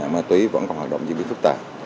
ma túy vẫn còn hoạt động diễn biến phức tạp